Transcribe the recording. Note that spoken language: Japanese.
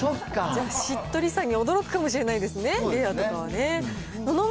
じゃあ、しっとりさに驚くかもしれないですね、レアとかはね。